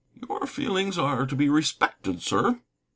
"Your feelings are to be respected, sir."